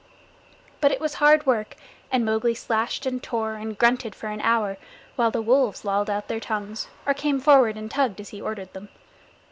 But it was hard work, and Mowgli slashed and tore and grunted for an hour, while the wolves lolled out their tongues, or came forward and tugged as he ordered them.